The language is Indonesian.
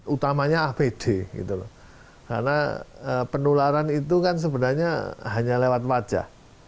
utamanya apd gitu loh karena penularan itu kan sebenarnya hanya lewat wajah